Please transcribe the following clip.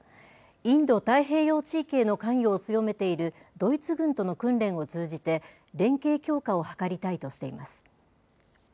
インド太平洋地域への関与を強めているドイツ軍との訓練を通じて、連携強化を図りたいとしています。